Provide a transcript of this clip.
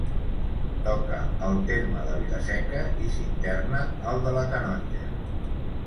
Toca al terme de Vila-seca i s'interna al de La Canonja.